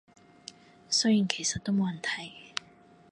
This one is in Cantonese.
雖然其實都冇人睇